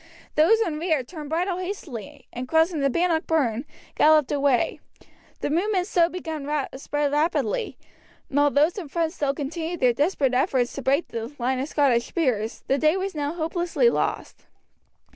Those in rear turned bridle hastily, and crossing the Bannock Burn, galloped away. The movement so begun spread rapidly, and although those in front still continued their desperate efforts to break the line of Scottish spears, the day was now hopelessly lost.